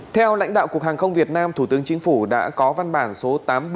theo lãnh đạo cục hàng không việt nam thủ tướng chính phủ đã có văn bản số tám nghìn bảy trăm linh sáu